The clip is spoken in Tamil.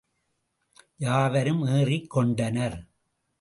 யாவரும் ஏறிக் கொண்டனர்.